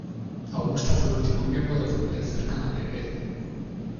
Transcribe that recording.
Augusta fue el último miembro de la familia cercana de Ed.